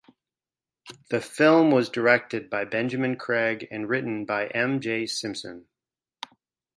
The film was directed by Benjamin Craig and written by M. J. Simpson.